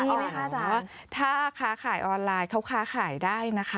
ไหมคะจ๊ะถ้าค้าขายออนไลน์เขาค้าขายได้นะคะ